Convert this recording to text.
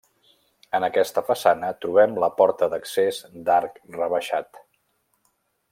En aquesta façana trobem la porta d'accés d'arc rebaixat.